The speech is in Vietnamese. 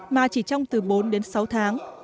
mà chỉ trong từ bốn đến sáu tháng